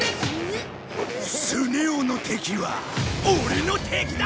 スネ夫の敵はオレの敵だ！